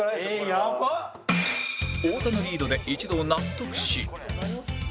太田のリードで一同納得し